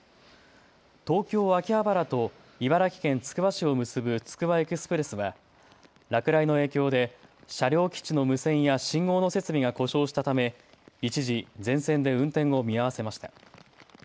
東京秋葉原と茨城県つくば市を結ぶつくばエクスプレスは落雷の影響で車両基地の無線や信号の設備が故障したため一時全線で運転を見合わせました。